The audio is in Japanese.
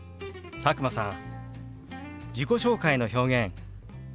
佐久間さん